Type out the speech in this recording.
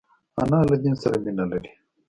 انا له دین سره مینه لري